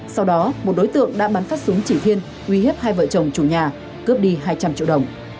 sau đó một đối tượng đã bắn phát súng chỉ thiên uy hiếp hai vợ chồng chủ nhà cướp đi hai trăm linh triệu đồng